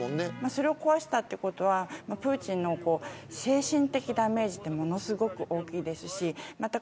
それを壊したということはプーチンの精神的ダメージはものすごく大きいですしまた